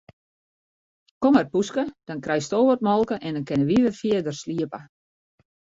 Kom mar poeske, dan krijsto wat molke en dan kinne wy wer fierder sliepe.